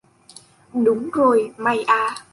Đúng rồi mày à